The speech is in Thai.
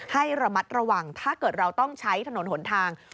ให้ระมัดระวังถ้าเกิดเราต้องใช้ถนนหนทาง